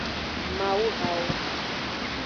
Mawuhawo.